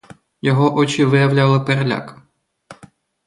Його очі виявляли переляк.